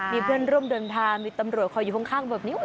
มีเพื่อนร่วมเดินทางมีตำรวจคอยอยู่ข้างแบบนี้